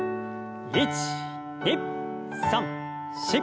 １２３４。